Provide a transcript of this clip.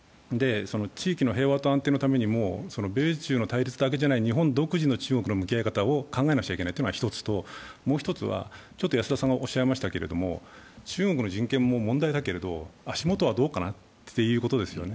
地域の平和と安定のために米中の対立だけじゃない、日本独自の中国の向き合い方を考えなくちゃいけないというのが１つと、もう一つは、中国の人権も問題だけれども、足元はどうかなということですよね。